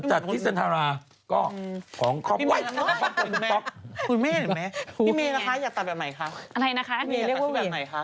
ใส่บูธอย่างเดียวนะ